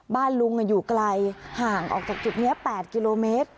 บ้านลุงอยู่ไกลห่างออกจากจุดนี้๘กิโลเมตร